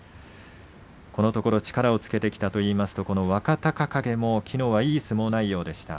このところ力をつけてきたといいますとこの若隆景もきのう、いい相撲内容でした。